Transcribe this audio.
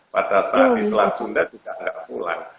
pada saat di selat sunda juga tidak pulang